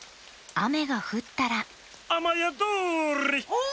あめがふったらあまやどり！